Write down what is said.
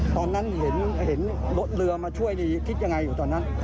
ตอนนั้นเห็นรถเรือมาช่วยนี่คิดยังไงอยู่ตอนนั้น